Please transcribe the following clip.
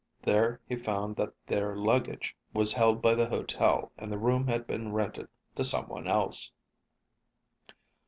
There he found that their luggage was held by the hotel and the room had been rented to someone else.